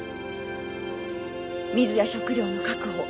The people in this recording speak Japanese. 水や食料の確保